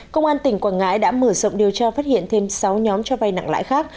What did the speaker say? công an tỉnh quảng ngãi đã mở rộng điều tra phát hiện thêm sáu nhóm cho vay nặng lãi khác